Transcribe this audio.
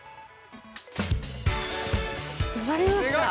留まりました！